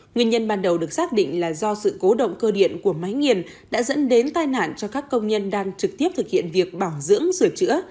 nguyên nhân ban đầu được xác định là do sự cố động cơ điện của máy nghiền đã dẫn đến tai nạn cho các công nhân đang trực tiếp thực hiện việc bảo dưỡng sửa chữa